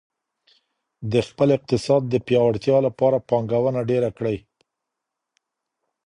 د خپل اقتصاد د پیاوړتیا لپاره پانګونه ډیره کړئ.